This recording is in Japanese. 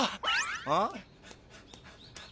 あっ？